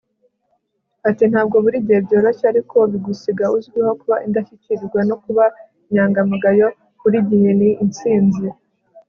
ati ntabwo buri gihe byoroshye ariko bigusiga uzwiho kuba indashyikirwa no kuba inyangamugayo, buri gihe ni intsinzi